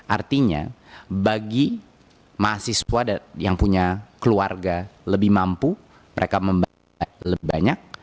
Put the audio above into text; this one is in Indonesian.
artinya bagi mahasiswa yang punya keluarga lebih mampu mereka membayar lebih banyak